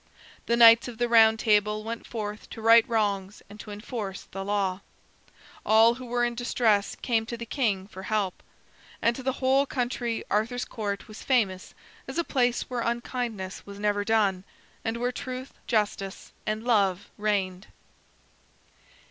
The Knights of the Round Table went forth to right wrongs and to enforce the law. All who were in distress came to the king for help. And to the whole country Arthur's Court was famous as a place where unkindness was never done, and where truth, justice, and love reigned.